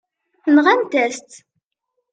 Nɣant-as-tt.